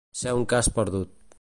Ser un cas perdut.